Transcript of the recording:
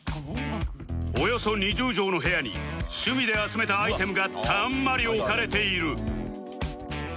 およそ２０畳の部屋に趣味で集めたアイテムがたんまり置かれている